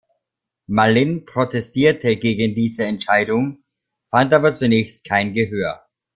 Mallin protestierte gegen diese Entscheidung, fand aber zunächst kein Gehör.